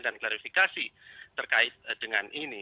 dan klarifikasi terkait dengan ini